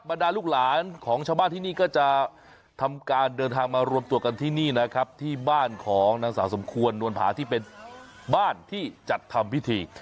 ดาลูกหลานของชาวบ้านที่นี่ก็จะทำการเดินทางมารวมตัวกันที่นี่นะครับที่บ้านของนางสาวสมควรนวลผาที่เป็นบ้านที่จัดทำพิธี